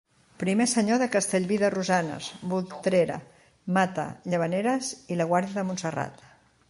Primer senyor de Castellví de Rosanes, Voltrera, Mata, Llavaneres i la Guàrdia de Montserrat.